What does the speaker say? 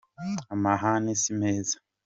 Amahane si meza.